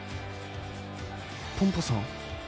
ポンポさん？